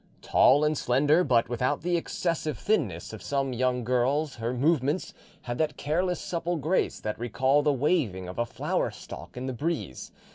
Tall and slender, but without the excessive thinness of some young girls, her movements had that careless supple grace that recall the waving of a flower stalk in the breeze.